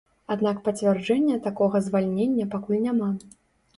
Аднак пацвярджэння такога звальнення пакуль няма.